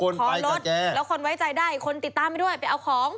ขอรถแล้วคนไว้ใจได้คนติดตามไปด้วยไปเอาของ